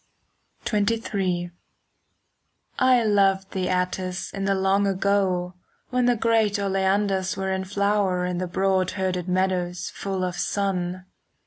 XXIII I loved thee, Atthis, in the long ago, When the great oleanders were in flower In the broad herded meadows full of sun.